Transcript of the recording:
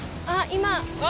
あっ今。